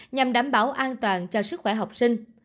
nhằm đảm bảo an toàn cho sức khỏe học sinh